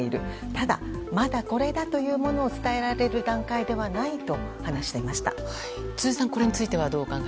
ただ、まだこれだというものを伝えられる段階ではないと辻さん、これについては？